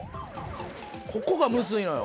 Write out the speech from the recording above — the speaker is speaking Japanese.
ここがムズいのよ。